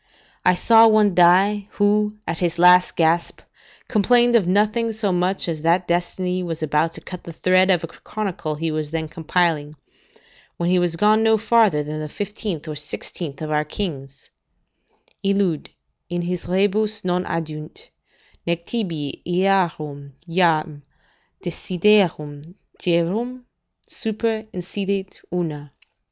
I saw one die, who, at his last gasp, complained of nothing so much as that destiny was about to cut the thread of a chronicle he was then compiling, when he was gone no farther than the fifteenth or sixteenth of our kings: "Illud in his rebus non addunt: nec tibi earum jam desiderium rerum super insidet una."